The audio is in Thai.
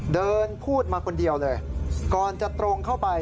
เดินพูดมาคนเดียวเลยก่อนจะตรงเข้าไป